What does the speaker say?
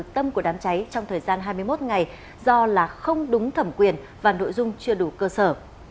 trong thời gian hai mươi một ngày do là không đúng thẩm quyền và nội dung chưa đủ cơ sở